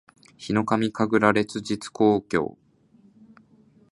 ヒノカミ神楽烈日紅鏡（ひのかみかぐられつじつこうきょう）